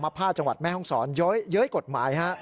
ผ้าจังหวัดแม่ห้องศรเย้ยกฎหมายฮะ